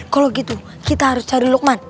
kalau gitu kita harus cari lukman